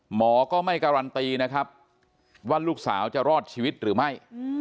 หมอก็ไม่การันตีนะครับว่าลูกสาวจะรอดชีวิตหรือไม่